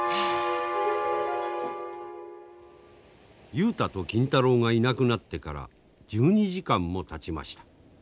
雄太と金太郎がいなくなってから１２時間もたちました。